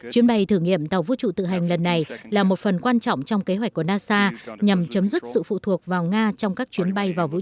chuyến bay thử nghiệm tàu vũ trụ tự hành lần này là một phần quan trọng trong kế hoạch của nasa nhằm chấm dứt sự phụ thuộc vào nga trong các chuyến bay vào vũ trụ